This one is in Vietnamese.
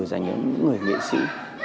dành cho những người nghệ sĩ